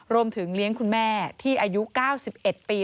รวมถึงเลี้ยงคุณแม่ที่อายุ๙๑ปี